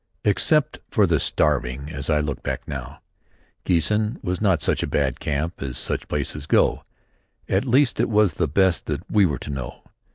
Except for the starving, as I look back now, Giessen was not such a bad camp as such places go. At least it was the best that we were to know.